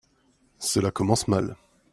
Cela commence mal